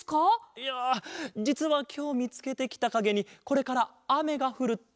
いやじつはきょうみつけてきたかげにこれからあめがふるっておそわってな。